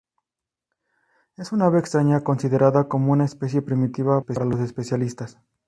Es un ave extraña, considerada como una especie primitiva por los especialistas.